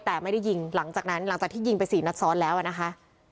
แต่ไม่ได้ยิงหลังจากนั้นหลังจากที่ยิงไปสี่นัดซ้อนแล้วอะนะคะ